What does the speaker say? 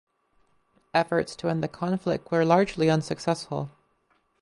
Efforts to end the conflict were largely unsuccessful.